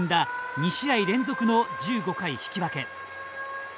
２試合連続の１５回引き分け。